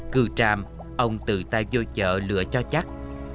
cư tràm ông tự tay vô chợ lựa cho chắc